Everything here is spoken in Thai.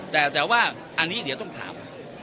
แต่ว่าอันนี้เดี๋ยวต้องถาม